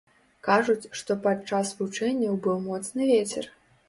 Кажуць, што падчас вучэнняў быў моцны вецер.